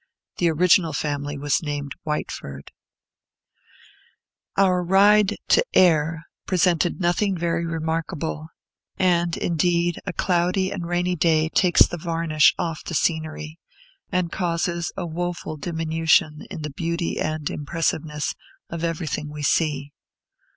The original family was named Whitefoord. Our ride to Ayr presented nothing very remarkable; and, indeed, a cloudy and rainy day takes the varnish off the scenery and causes a woful diminution in the beauty and impressiveness of everything we see.